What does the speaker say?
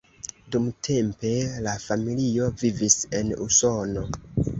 Dumtempe la familio vivis en Usono.